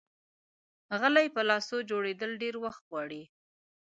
غلۍ په لاسو جوړول ډېر وخت غواړي.